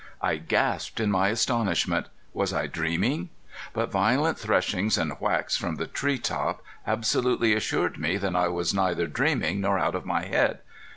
I gasped in my astonishment. Was I dreaming? But violent threshings and whacks from the tree top absolutely assured me that I was neither dreaming nor out of my head.